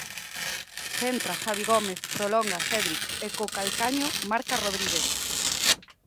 Centra Javi Gómez, prolonga Cédric e co calcaño marca Rodríguez.